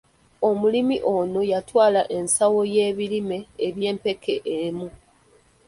Omulimi ono yatwala ensawo y'ebirime eby'empeke emu.